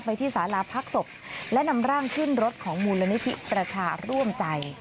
ไปที่สาราพักศพและนำร่างขึ้นรถของบุรณะนิษฐรผู้หล้อมใจ